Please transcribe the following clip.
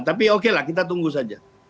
tapi oke lah kita tunggu saja